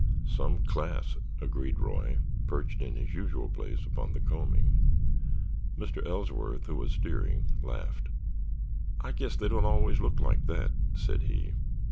"Some class," agreed Roy, perched in his usual place upon the combing. Mr. Ellsworth, who was steering, laughed. "I guess they don't always look like that," said he.